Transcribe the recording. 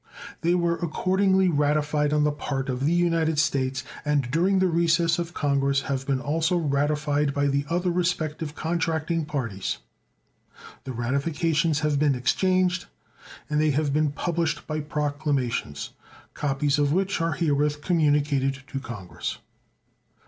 They were accordingly ratified on the part of the United States, and during the recess of Congress have been also ratified by the other respective contracting parties. The ratifications have been exchanged, and they have been published by proclamations, copies of which are herewith communicated to Congress.